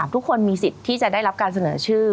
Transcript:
ทุกคนมีสิทธิ์ที่จะได้รับการเสนอชื่อ